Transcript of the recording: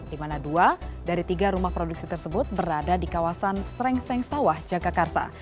di mana dua dari tiga rumah produksi tersebut berada di kawasan srengseng sawah jagakarsa